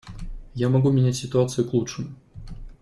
Я могу менять ситуацию к лучшему.